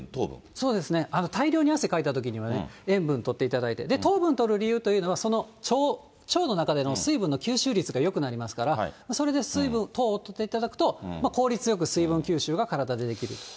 そうですね、大量に汗かいたときにはね、塩分とっていただいて、糖分とる理由というのは、その腸の中での水分の吸収率がよくなりますから、それで水分、糖をとっていただくと、効率よく水分吸収が体でできると。